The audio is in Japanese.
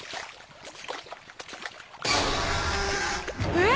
えっ！？